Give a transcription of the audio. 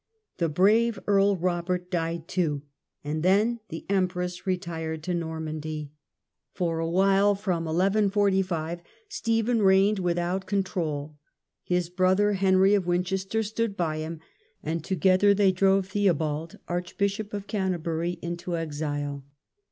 The brave Earl Robert (fied too; and then the empress retired to Normandy. For a while, from 1145, Stephen reigned without con trol. His brother, Henry of Winchester, stood by him, The last and together they drove Theobald, Arch years, bishop of Canterbury, into exile.